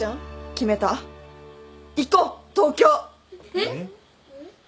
えっ。